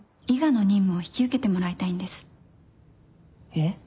えっ？